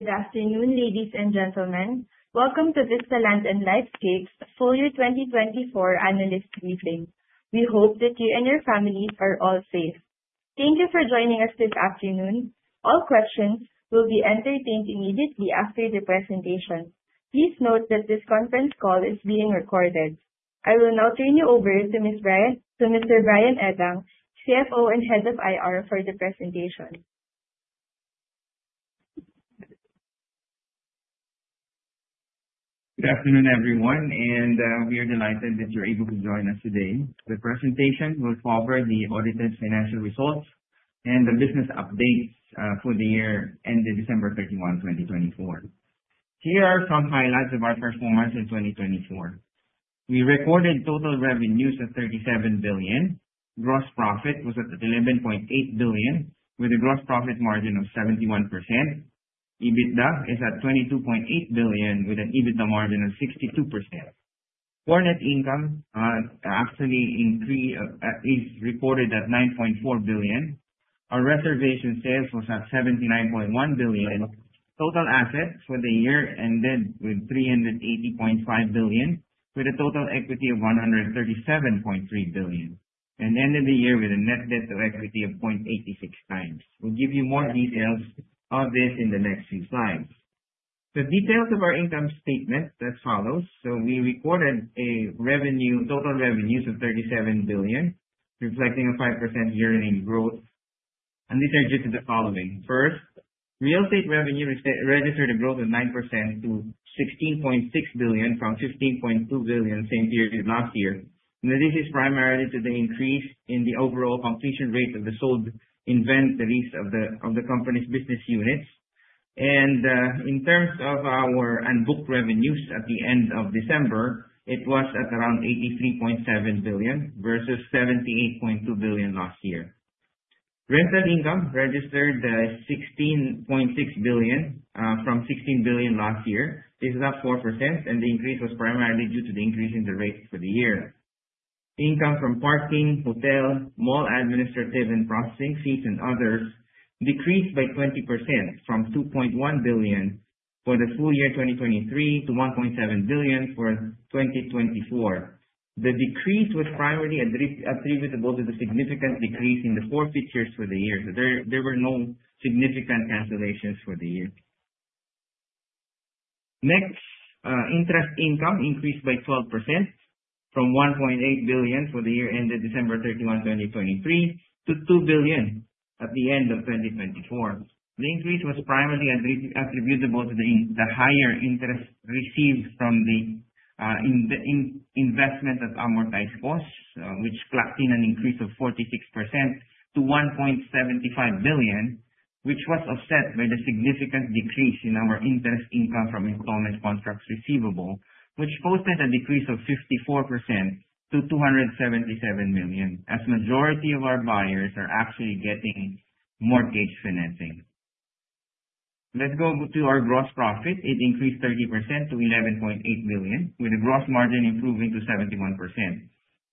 Good afternoon, ladies and gentlemen. Welcome to Vista Land & Lifescapes' FY 2024 analyst briefing. We hope that you and your families are all safe. Thank you for joining us this afternoon. All questions will be entertained immediately after the presentation. Please note that this conference call is being recorded. I will now turn you over to Mr. Brian Edang, CFO and Head of IR, for the presentation. Good afternoon, everyone, and we are delighted that you're able to join us today. The presentation will cover the audited financial results and the business updates for the year ended December 31, 2024. Here are some highlights of our performance in 2024. We recorded total revenues of 37 billion. Gross profit was at 11.8 billion, with a gross profit margin of 71%. EBITDA is at 22.8 billion, with an EBITDA margin of 62%. Core net income actually is recorded at 9.4 billion. Our reservation sales was at 79.1 billion. Total assets for the year ended with 380.5 billion, with a total equity of 137.3 billion, and ended the year with a net debt to equity of 0.86 times. We'll give you more details of this in the next few slides. The details of our income statement that follows. We recorded a total revenues of 37 billion, reflecting a 5% year-on-year growth, and this is due to the following. First, real estate revenue registered a growth of 9% to 16.6 billion from 15.2 billion same period last year. This is primarily to the increase in the overall completion rate of the sold inventories of the company's business units. In terms of our unbooked revenues at the end of December, it was at around 83.7 billion versus 78.2 billion last year. Rental income registered 16.6 billion from 16 billion last year. This is up 4%, and the increase was primarily due to the increase in the rate for the year. Income from parking, hotel, mall administrative and processing fees, and others decreased by 20% from 2.1 billion for the full year 2023 to 1.7 billion for 2024. The decrease was primarily attributable to the significant decrease in the four features for the year. There were no significant cancellations for the year. Next, interest income increased by 12% from 1.8 billion for the year ended December 31, 2023, to 2 billion at the end of 2024. The increase was primarily attributable to the higher interest received from the investment of amortized costs, which clocked in an increase of 46% to 1.75 billion, which was offset by the significant decrease in our interest income from installment contracts receivable, which posted a decrease of 54% to 277 million, as the majority of our buyers are actually getting mortgage financing. Let's go to our gross profit. It increased 30% to 11.8 billion, with the gross margin improving to 71%.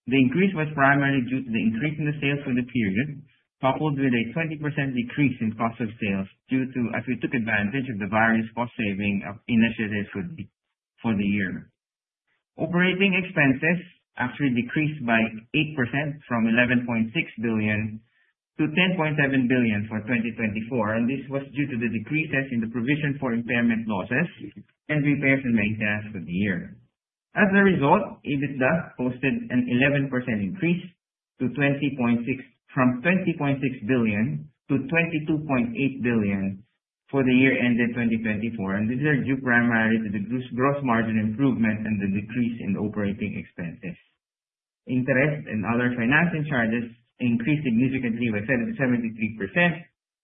The increase was primarily due to the increase in the sales for the period, coupled with a 20% decrease in cost of sales due to, as we took advantage of the various cost-saving initiatives for the year. Operating expenses actually decreased by 8% from 11.6 billion to 10.7 billion for 2024. This was due to the decreases in the provision for impairment losses and repairs and maintenance for the year. As a result, EBITDA posted an 11% increase from 20.6 billion to 22.8 billion for the year ended 2024. This is due primarily to the gross margin improvement and the decrease in operating expenses. Interest and other financing charges increased significantly by 73%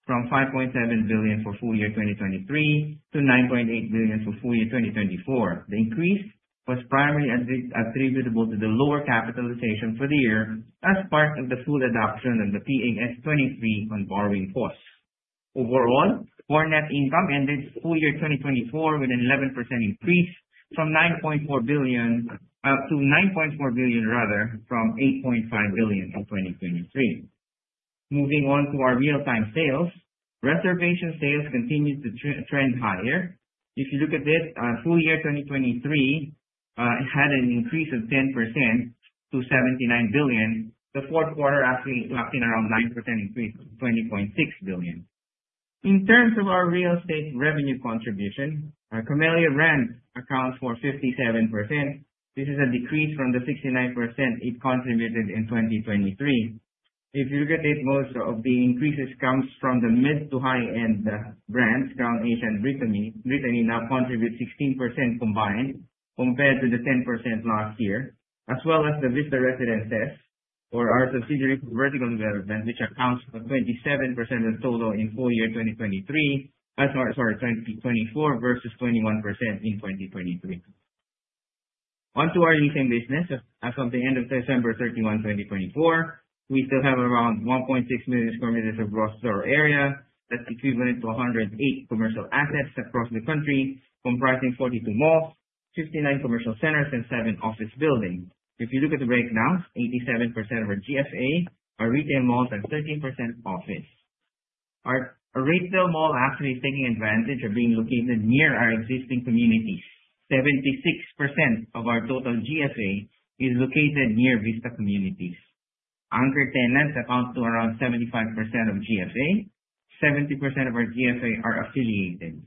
from 5.7 billion for full year 2023 to 9.8 billion for full year 2024. The increase was primarily attributable to the lower capitalization for the year as part of the full adoption of the PAS 23 on borrowing costs. Overall, core net income ended full year 2024 with an 11% increase from 8.5 billion in 2023 to 9.4 billion. Moving on to our real-time sales, reservation sales continued to trend higher. If you look at this, full year 2023 had an increase of 10% to 79 billion. The fourth quarter actually clocked in around a 9% increase to 20.6 billion. In terms of our real estate revenue contribution, Camella Homes accounts for 57%. This is a decrease from the 69% it contributed in 2023. If you look at it, most of the increases come from the mid to high-end brands, Crown Asia and Brittany. Brittany now contributes 16% combined compared to the 10% last year, as well as the Vista Residences or our subsidiary for vertical development, which accounts for 27% of the total in full year 2024 versus 21% in 2023. Onto our leasing business. As of the end of December 31, 2024, we still have around 1.6 million sq m of gross floor area that's equivalent to 108 commercial assets across the country, comprising 42 malls, 59 commercial centers, and 7 office buildings. If you look at the breakdown, 87% of our GFA are retail malls and 13% office. Our retail mall actually is taking advantage of being located near our existing communities. 76% of our total GFA is located near Vista communities. Anchor tenants account for around 75% of GFA. 70% of our GFA are affiliated.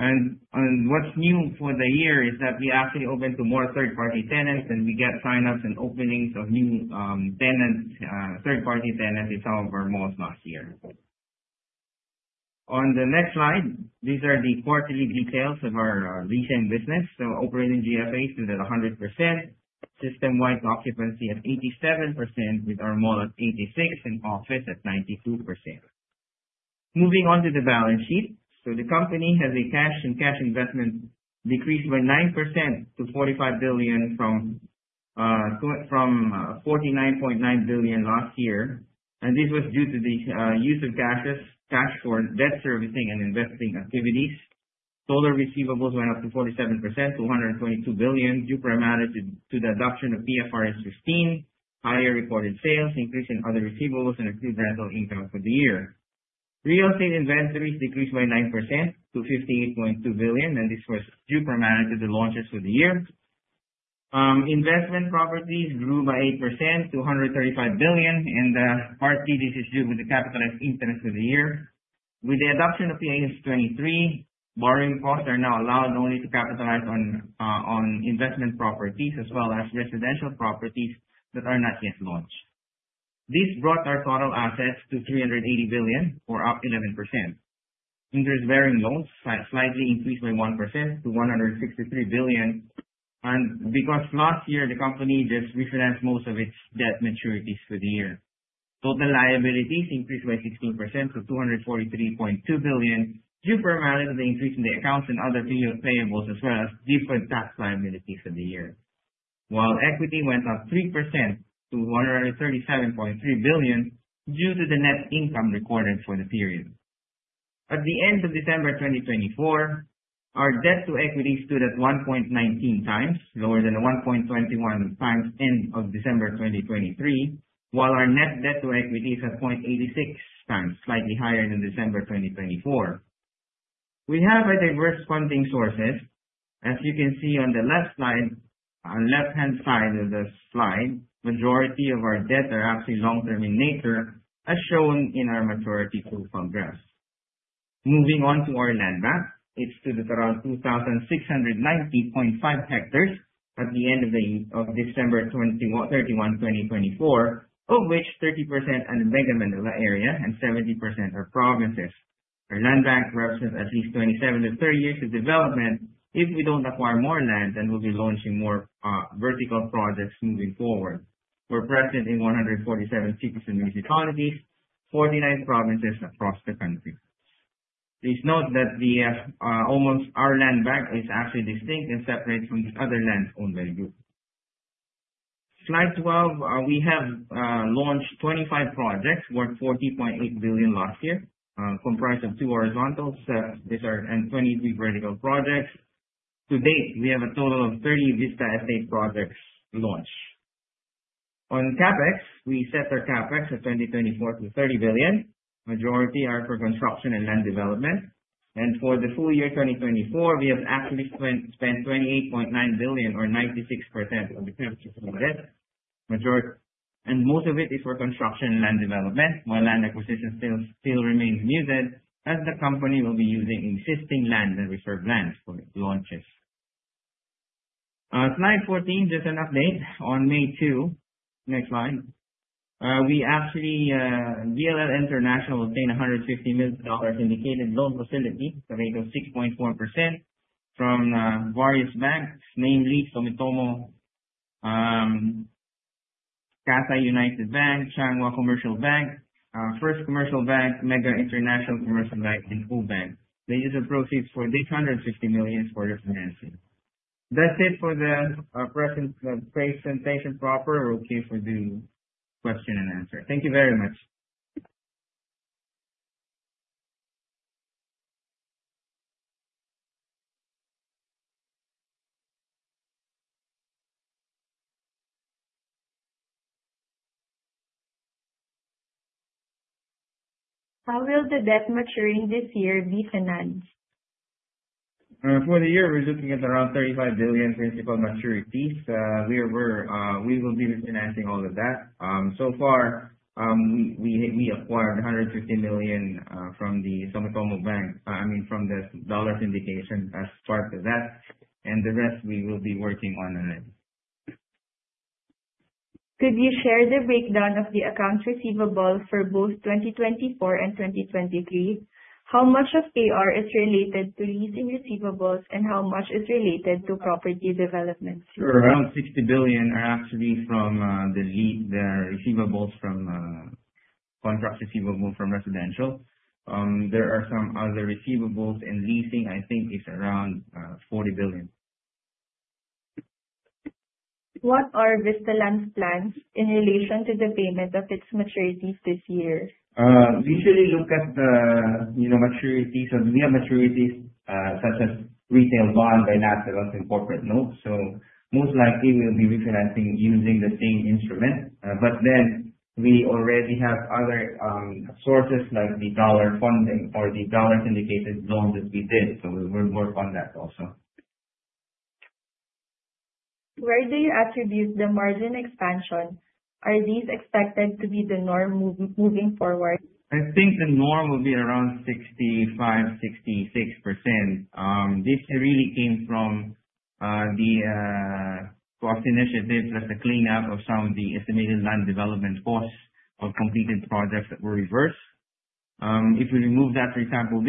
What's new for the year is that we actually opened to more third-party tenants, and we got sign-ups and openings of new third-party tenants in some of our malls last year. On the next slide, these are the quarterly details of our leasing business. Operating GFA is at 100%, system-wide occupancy at 87%, with our mall at 86% and office at 92%. Moving on to the balance sheet. The company has a cash and cash investment decreased by 9% to 45 billion from 49.9 billion last year. This was due to the use of cash for debt servicing and investing activities. Total receivables went up 47% to 122 billion, due primarily to the adoption of PFRS 15, higher reported sales, increase in other receivables, and improved rental income for the year. Real estate inventories decreased by 9% to 58.2 billion, and this was due primarily to the launches for the year. Investment properties grew by 8% to 135 billion. Partly, this is due to the capitalized interest for the year. With the adoption of PAS 23, borrowing costs are now allowed only to capitalize on investment properties as well as residential properties that are not yet launched. This brought our total assets to 380 billion, up 11%. Interest-bearing loans slightly increased by 1% to 163 billion because last year, the company just refinanced most of its debt maturities for the year. Total liabilities increased by 16% to 243.2 billion, due primarily to the increase in the accounts and other payables, as well as different tax liabilities for the year. Equity went up 3% to 137.3 billion due to the net income recorded for the period. At the end of December 2024, our debt to equity stood at 1.19 times, lower than the 1.21 times end of December 2023, while our net debt to equity is at 0.86 times, slightly higher than December 2024. We have diverse funding sources. As you can see on the left side, on the left-hand side of the slide, the majority of our debt are actually long-term in nature, as shown in our maturity proof on graphs. Moving on to our land bank, it stood at around 2,690.5 hectares at the end of December 31, 2024, of which 30% are in the Mega Manila area and 70% are provinces. Our land bank represents at least 27-30 years of development. If we don't acquire more land, then we'll be launching more vertical projects moving forward. We're present in 147 cities and municipalities and 49 provinces across the country. Please note that our land bank is actually distinct and separate from the other land owned by you. Slide 12, we have launched 25 projects, worth 40.8 billion last year, comprised of two horizontal sets and 23 vertical projects. To date, we have a total of 30 Vista Estate projects launched. On CapEx, we set our CapEx at 20.24 billion-30 billion. The majority are for construction and land development. For the full year 2024, we have actually spent 28.9 billion, or 96% of the capital for the debt. Most of it is for construction and land development, while land acquisition still remains muted, as the company will be using existing land and reserve land for launches. Slide 14, just an update. On May 2, next slide, we actually, BLL International obtained $150 million in indicated loan facility, a rate of 6.4% from various banks, namely Sumitomo Mitsui Banking Corporation, Cathay United Bank, Chang Hwa Commercial Bank, First Commercial Bank, Mega International Commercial Bank, and Hua Nan Bank. They used the proceeds for $350 million for their financing. That's it for the present presentation proper. We're okay for the question and answer. Thank you very much. How will the debt maturing this year be financed? For the year, we're looking at around 35 billion principal maturities. We will be refinancing all of that. So far, we acquired $150 million from the Sumitomo Mitsui Banking Corporation, I mean, from the dollar syndication as part of that. And the rest, we will be working on it. Could you share the breakdown of the accounts receivable for both 2024 and 2023? How much of AR is related to leasing receivables, and how much is related to property developments? Around 60 billion are actually from the receivables from contract receivables from residential. There are some other receivables, and leasing, I think, is around 40 billion. What are Vista Land's plans in relation to the payment of its maturities this year? We usually look at the maturities. We have maturities such as retail bond by nationals and corporate notes. Most likely, we'll be refinancing using the same instrument. We already have other sources like the dollar funding or the dollar syndicated loans that we did. We'll work on that also. Where do you attribute the margin expansion? Are these expected to be the norm moving forward? I think the norm will be around 65%, 66%. This really came from the cost initiative plus the cleanup of some of the estimated land development costs of completed projects that were reversed. If we remove that, for example,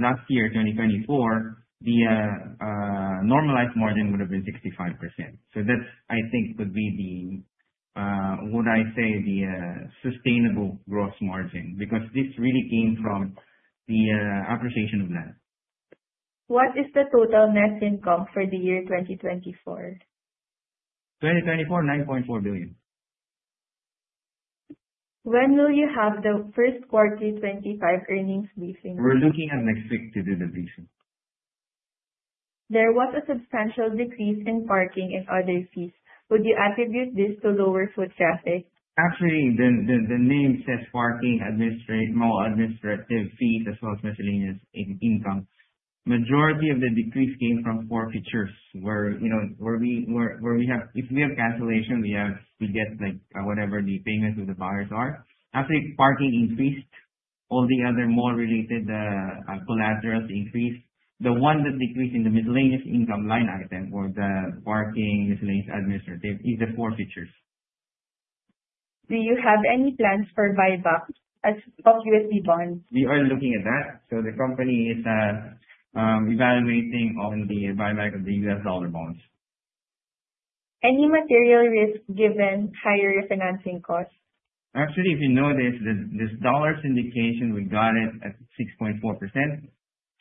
last year, 2024, the normalized margin would have been 65%. So that's, I think, would be the, would I say, the sustainable gross margin because this really came from the appreciation of land. What is the total net income for the year 2024? 2024, PHP 9.4 billion. When will you have the first quarter 2025 earnings leasing? We're looking at next week to do the leasing. There was a substantial decrease in parking and other fees. Would you attribute this to lower foot traffic? Actually, the name says parking, administrative fees, as well as miscellaneous income. The majority of the decrease came from forfeitures where we have, if we have cancellation, we get whatever the payments of the buyers are. Actually, parking increased. All the other mall-related collaterals increased. The one that decreased in the miscellaneous income line item or the parking, miscellaneous administrative is the forfeitures. Do you have any plans for buyback of USD bonds? We are looking at that. The company is evaluating on the buyback of the US dollar bonds. Any material risk given higher refinancing costs? Actually, if you notice, this dollar syndication, we got it at 6.4%.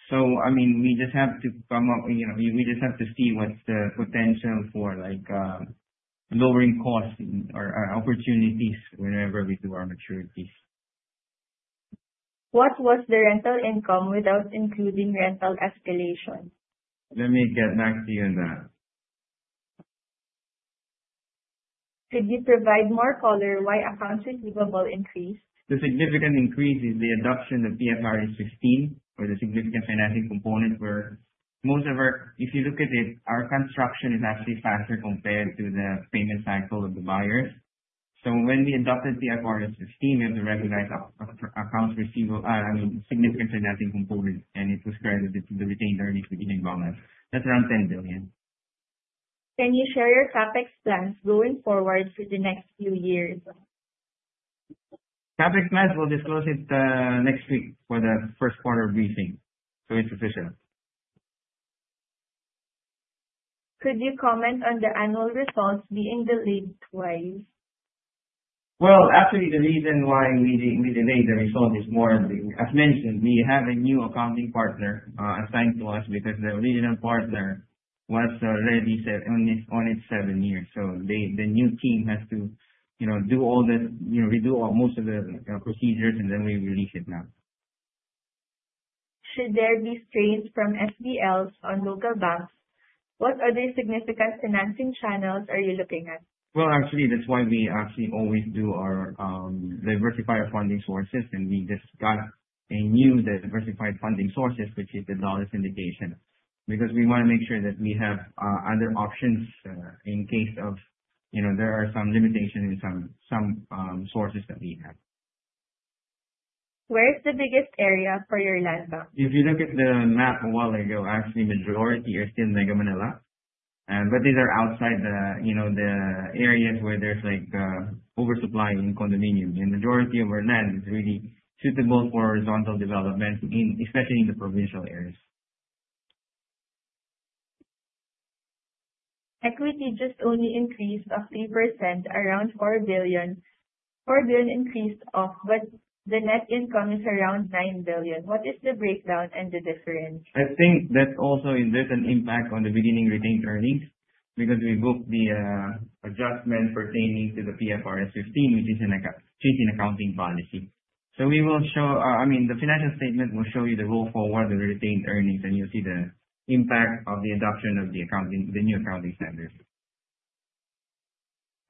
I mean, we just have to come up, we just have to see what's the potential for lowering costs or opportunities whenever we do our maturities. What was the rental income without including rental escalation? Let me get back to you on that. Could you provide more color why accounts receivable increased? The significant increase is the adoption of PFRS 15 or the significant financing component where most of our, if you look at it, our construction is actually faster compared to the payment cycle of the buyers. So when we adopted PFRS 15, we have the recognized accounts receivable, I mean, significant financing component, and it was credited to the retained earnings beginning bonus. That's around 10 billion. Can you share your CapEx plans going forward for the next few years? CapEx plans will disclose it next week for the first quarter briefing. So it's official. Could you comment on the annual results being delayed twice? Actually, the reason why we delayed the result is more, as mentioned, we have a new accounting partner assigned to us because the original partner was already on it seven years. The new team has to do all the, redo most of the procedures, and then we release it now. Should there be strains from SBLCs on local banks? What other significant financing channels are you looking at? Actually, that's why we actually always do our diversified funding sources, and we just got a new diversified funding source, which is the dollar syndication, because we want to make sure that we have other options in case there are some limitations in some sources that we have. Where is the biggest area for your land bank? If you look at the map a while ago, actually, majority are still Mega Manila. These are outside the areas where there's oversupply in condominiums. The majority of our land is really suitable for horizontal development, especially in the provincial areas. Equity just only increased of 3%, around 4 billion. 4 billion increased off, but the net income is around 9 billion. What is the breakdown and the difference? I think that also there's an impact on the beginning retained earnings because we booked the adjustment pertaining to the PFRS 15, which is a change in accounting policy. I mean, the financial statement will show you the roll forward of the retained earnings, and you'll see the impact of the adoption of the new accounting standards.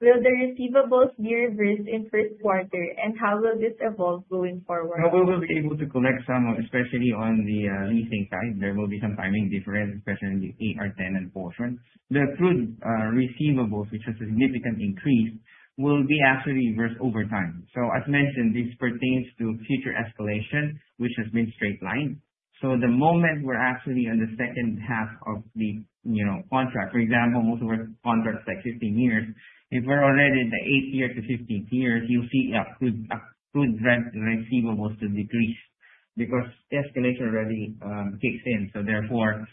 Will the receivables be reversed in first quarter, and how will this evolve going forward? We will be able to collect some, especially on the leasing side. There will be some timing difference, especially in the 8 or 10th portion. The accrued receivables, which is a significant increase, will be actually reversed over time. As mentioned, this pertains to future escalation, which has been straight line. The moment we are actually in the second half of the contract, for example, most of our contracts are 15 years, if we are already in the 8th year to 15th year, you will see accrued receivables decrease because escalation already kicks in. Therefore,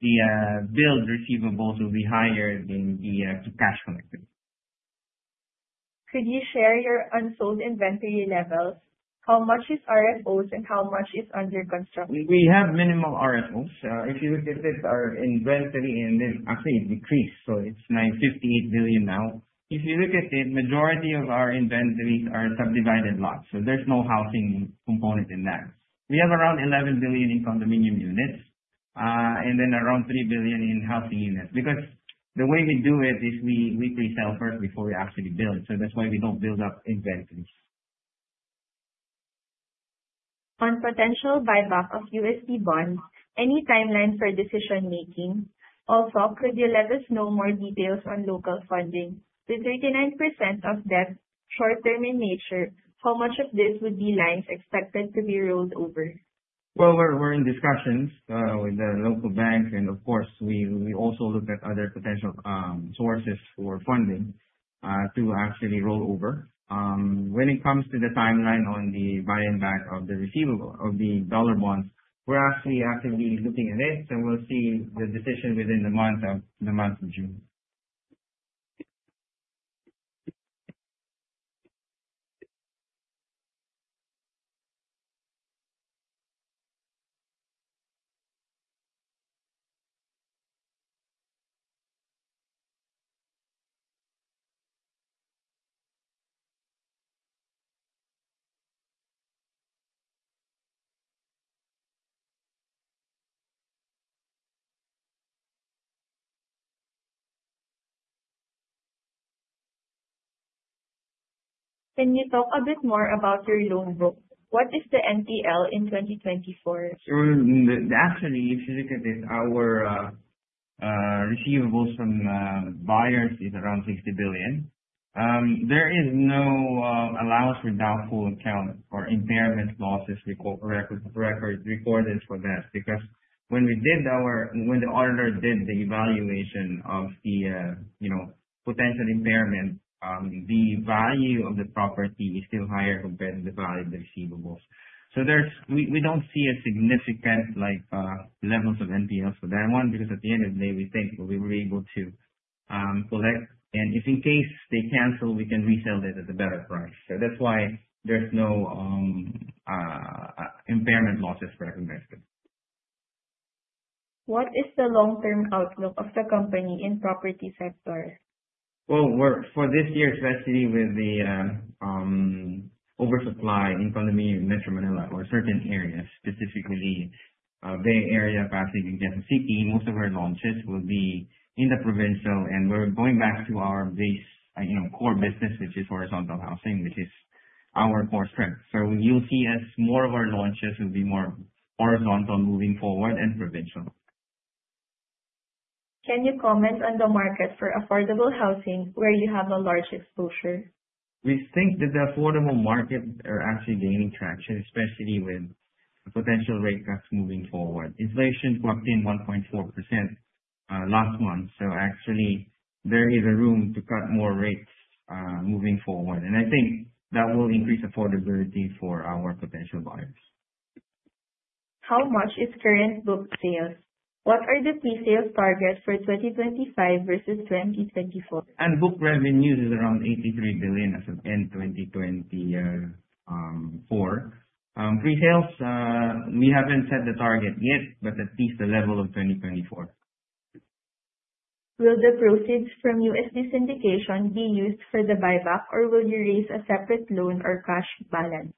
the billed receivables will be higher than the cash collected. Could you share your unsold inventory levels? How much is RFOs, and how much is under construction? We have minimal RFOs. If you look at it, our inventory actually decreased. So it's 958 billion now. If you look at it, the majority of our inventories are subdivided lots. So there's no housing component in that. We have around 11 billion in condominium units and then around 3 billion in housing units because the way we do it is we weekly sell first before we actually build. That's why we don't build up inventories. On potential buyback of USD bonds, any timeline for decision-making? Also, could you let us know more details on local funding? With 39% of debt short-term in nature, how much of this would be lines expected to be rolled over? We are in discussions with the local bank, and of course, we also look at other potential sources for funding to actually roll over. When it comes to the timeline on the buying back of the receivable of the dollar bonds, we are actually actively looking at it, and we will see the decision within the month of June. Can you talk a bit more about your loan book? What is the NPL in 2024? Sure. Actually, if you look at it, our receivables from buyers is around 60 billion. There is no allowance for doubtful account or impairment losses recorded for that because when we did our, when the auditor did the evaluation of the potential impairment, the value of the property is still higher compared to the value of the receivables. We do not see significant levels of NPL for that one because at the end of the day, we think we were able to collect, and if in case they cancel, we can resell it at a better price. That is why there is no impairment losses recognized. What is the long-term outlook of the company in property sector? For this year, especially with the oversupply in condominium in Metro Manila or certain areas, specifically Bay Area, Pasig, and Bonifacio Global City, most of our launches will be in the provincial, and we're going back to our base core business, which is horizontal housing, which is our core strength. You will see us, more of our launches will be more horizontal moving forward and provincial. Can you comment on the market for affordable housing where you have a large exposure? We think that the affordable market is actually gaining traction, especially with potential rate cuts moving forward. Inflation dropped to 1.4% last month. There is a room to cut more rates moving forward. I think that will increase affordability for our potential buyers. How much is current book sales? What are the pre-sales targets for 2025 versus 2024? Unbooked revenues is around 83 billion as of end 2024. Pre-sales, we haven't set the target yet, but at least the level of 2024. Will the proceeds from USD syndication be used for the buyback, or will you raise a separate loan or cash balance?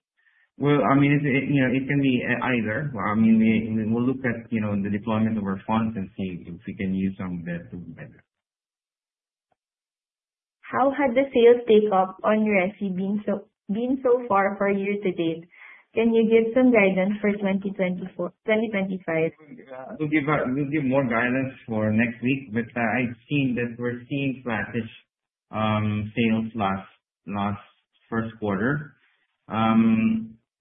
I mean, it can be either. I mean, we will look at the deployment of our funds and see if we can use some of that to either. How had the sales takeoff on Reci been so far for year to date? Can you give some guidance for 2025? We'll give more guidance for next week, but I've seen that we're seeing flattish sales last first quarter.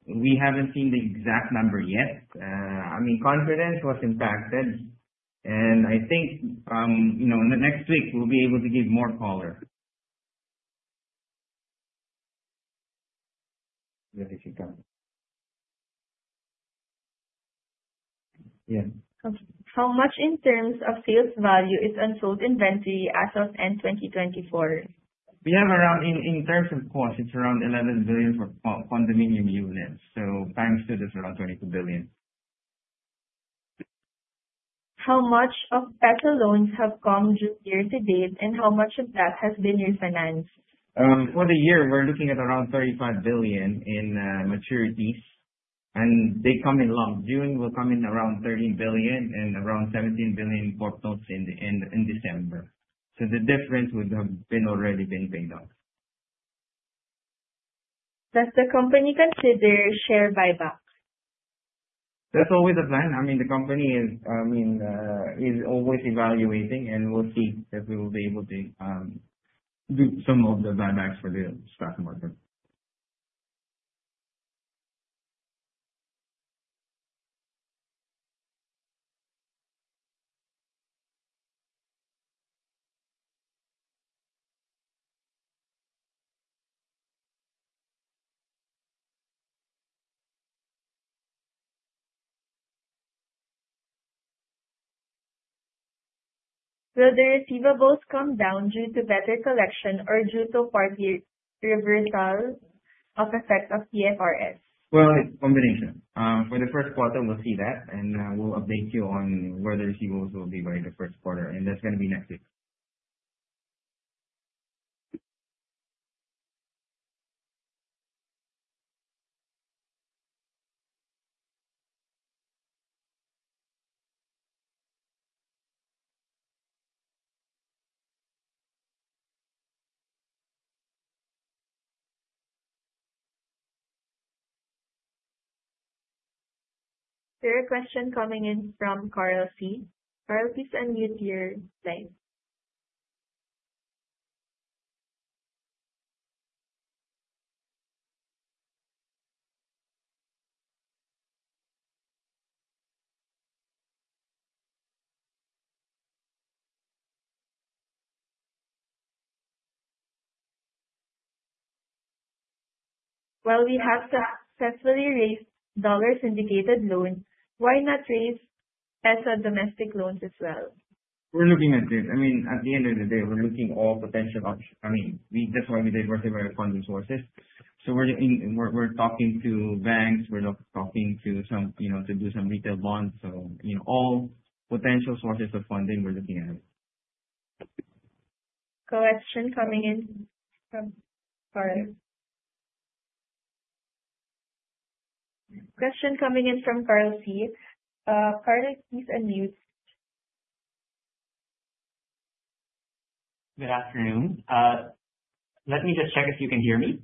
We haven't seen the exact number yet. I mean, confidence was impacted, and I think next week, we'll be able to give more color. Yeah. How much in terms of sales value is unsold inventory as of end 2024? We have around, in terms of cost, it's around 11 billion for condominium units. Times two, that's around 22 billion. How much of better loans have come due year to date, and how much of that has been refinanced? For the year, we're looking at around 35 billion in maturities, and they come in long. June will come in around 30 billion and around 17 billion for notes in December. So the difference would have already been paid off. Does the company consider share buyback? That's always a plan. I mean, the company is always evaluating, and we'll see if we will be able to do some of the buybacks for the stock market. Will the receivables come down due to better collection or due to partly reversal of effect of PFRS? It is a combination. For the first quarter, we'll see that, and we'll update you on where the receivables will be by the first quarter, and that's going to be next week. There are questions coming in from Carl C. Carl, please unmute your line. While we have successfully raised dollar-denominated loans, why not raise ESA domestic loans as well? We're looking at it. I mean, at the end of the day, we're looking at all potential options. I mean, that's why we diversify our funding sources. I mean, we're talking to banks. We're talking to some to do some retail bonds. All potential sources of funding, we're looking at it. Question coming in from Carl C. Carl, please unmute. Good afternoon. Let me just check if you can hear me.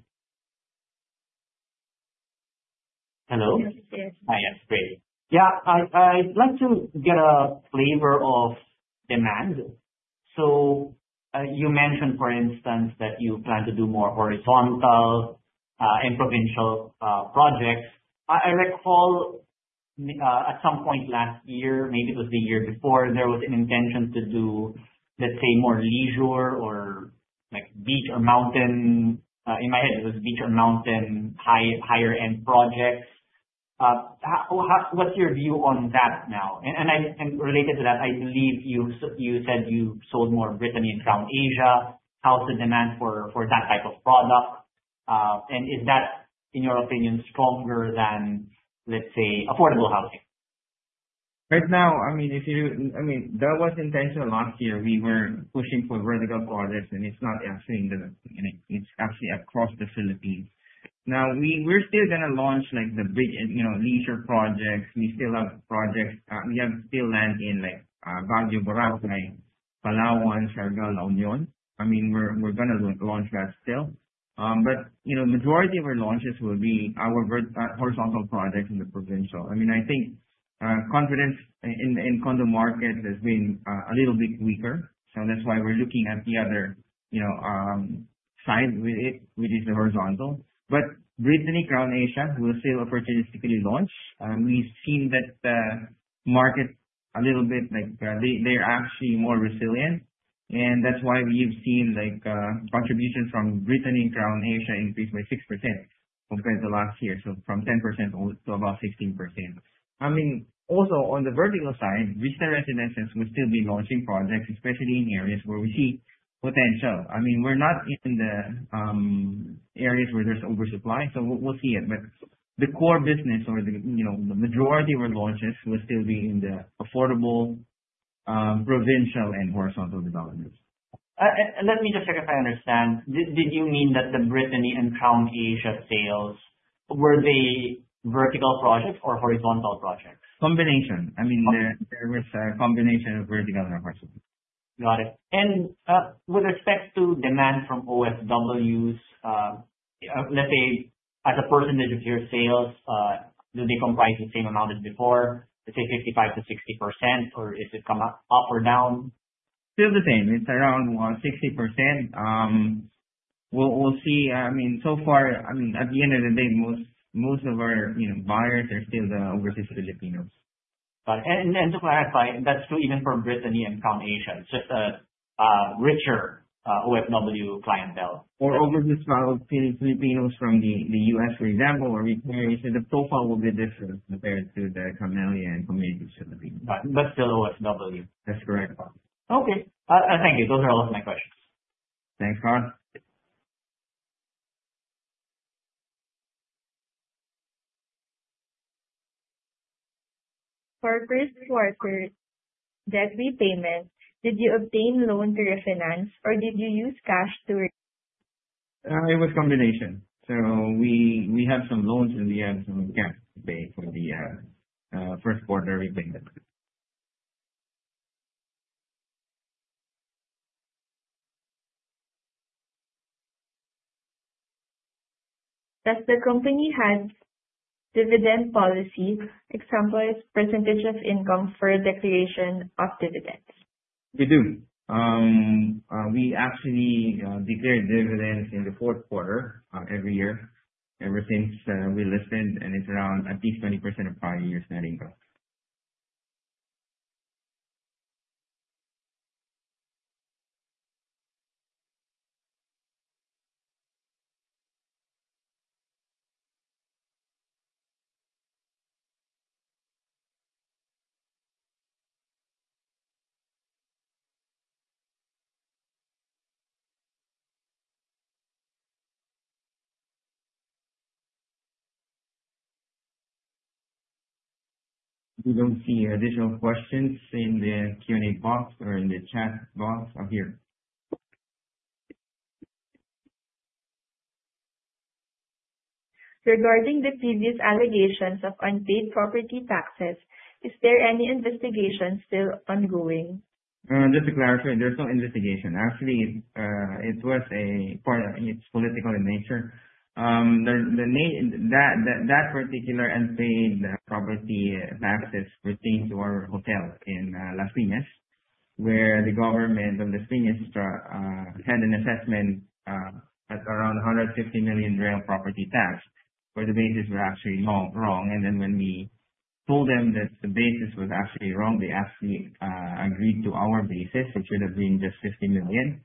Hello? Yes, yes. Yes, great. Yeah, I'd like to get a flavor of demand. You mentioned, for instance, that you plan to do more horizontal and provincial projects. I recall at some point last year, maybe it was the year before, there was an intention to do, let's say, more leisure or beach or mountain. In my head, it was beach or mountain, higher-end projects. What's your view on that now? Related to that, I believe you said you sold more Brittany and Crown Asia. How's the demand for that type of product? Is that, in your opinion, stronger than, let's say, affordable housing? Right now, I mean, if you do, I mean, that was intentional last year. We were pushing for vertical projects, and it's not actually in the, it's actually across the Philippines. Now, we're still going to launch the leisure projects. We still have projects. We have still land in Baguio, Boracay, Palawan, Sierra Leone. I mean, we're going to launch that still. The majority of our launches will be our horizontal projects in the provincial. I mean, I think confidence in condo markets has been a little bit weaker. That's why we're looking at the other side with it, which is the horizontal. Brittany and Crown Asia will still opportunistically launch. We've seen that market a little bit like they're actually more resilient. That's why we've seen contributions from Brittany and Crown Asia increase by 6% compared to last year, so from 10% to about 16%. I mean, also on the vertical side, residentials will still be launching projects, especially in areas where we see potential. I mean, we're not in the areas where there's oversupply, so we'll see it. The core business or the majority of our launches will still be in the affordable, provincial, and horizontal developments. Let me just check if I understand. Did you mean that the Brittany and Crown Asia sales, were they vertical projects or horizontal projects? Combination. I mean, there was a combination of vertical and horizontal. Got it. With respect to demand from OFWs, let's say, as a percentage of your sales, do they comprise the same amount as before? Let's say 55%-60%, or has it come up or down? Still the same. It's around 60%. We'll see. I mean, so far, I mean, at the end of the day, most of our buyers are still the overseas Filipinos. Got it. To clarify, that's true even for Brittany and Crown Asia. It's just a richer OFW clientele. Or overseas Filipinos from the US, for example, or retirees, the profile will be different compared to the Camella and Crown Asia Filipinos. Still OFW. That's correct. Okay. Thank you. Those are all of my questions. Thanks, Carl. For first quarter debt repayment, did you obtain loan to refinance, or did you use cash to? It was a combination. We have some loans in the end, so we can't pay for the first quarter repayment. Does the company have dividend policy? Example is percentage of income for declaration of dividends. We do. We actually declare dividends in the fourth quarter every year ever since we listed, and it's around at least 20% of prior year's net income. If you don't see additional questions, same in the Q&A box or in the chat box up here. Regarding the previous allegations of unpaid property taxes, is there any investigation still ongoing? Just to clarify, there's no investigation. Actually, it was a part of it's political in nature. That particular unpaid property taxes pertain to our hotel in Las Piñas, where the government of Las Piñas had an assessment at around 150 million real property tax where the basis was actually wrong. When we told them that the basis was actually wrong, they actually agreed to our basis, which would have been just 50 million.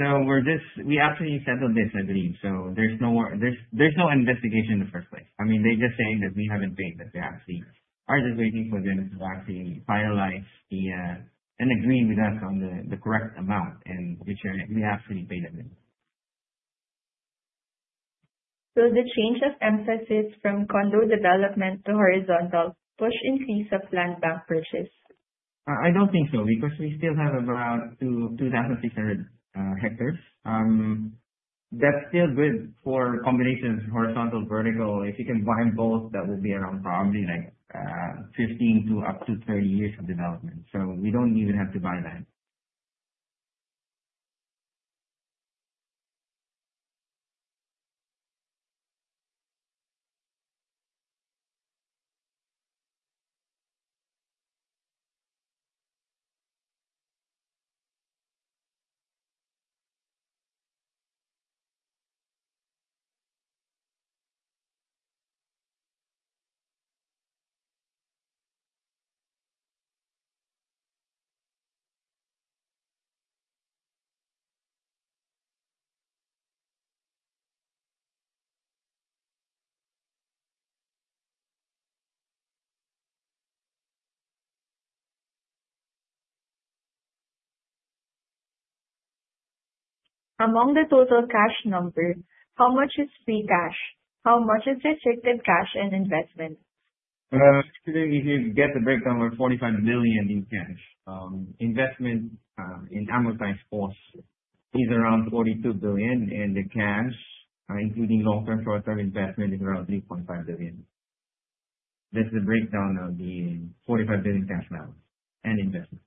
We actually settled this agreement. There's no investigation in the first place. I mean, they're just saying that we haven't paid, that we actually are just waiting for them to actually finalize and agree with us on the correct amount, which we actually paid them in. Will the change of emphasis from condo development to horizontal push increase of land bank purchase? I don't think so because we still have about 2,600 hectares. That's still good for combinations, horizontal, vertical. If you can buy both, that will be around probably 15-30 years of development. We don't even have to buy land. Among the total cash number, how much is free cash? How much is restricted cash and investment? Actually, if you get the breakdown, we're 45 billion in cash. Investment in amortized cost is around 42 billion, and the cash, including long-term, short-term investment, is around 3.5 billion. That's the breakdown of the 45 billion cash balance and investment.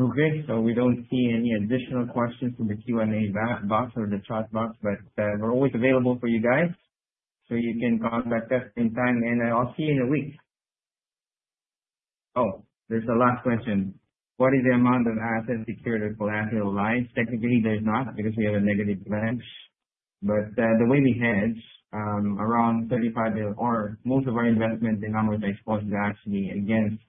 Okay. We don't see any additional questions in the Q&A box or the chat box, but we're always available for you guys. You can contact us anytime, and I'll see you in a week. Oh, there's a last question. What is the amount of assets secured or collateralized? Technically, there's not because we have a negative branch. The way we hedge, around 35 billion, or most of our investment in amortized cost is actually against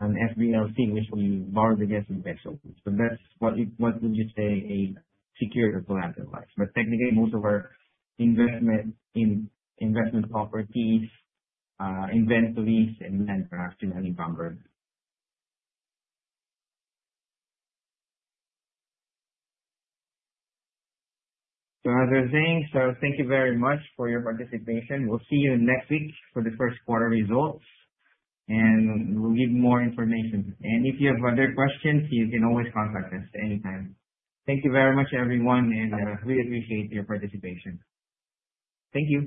an SBLC, which we borrowed against index open. That's what you would say a secured or collateralized. Technically, most of our investment in investment properties, inventories, and land are actually unencumbered. That is everything. Thank you very much for your participation. We will see you next week for the first quarter results, and we will give more information. If you have other questions, you can always contact us anytime. Thank you very much, everyone, and we appreciate your participation. Thank you.